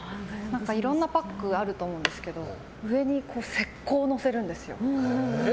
いろんなパックがあると思うんですけど上に石膏をのせるんですよ。